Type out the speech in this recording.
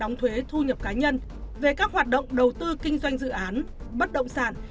đóng thuế thu nhập cá nhân về các hoạt động đầu tư kinh doanh dự án bất động sản